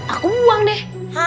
aku buang deh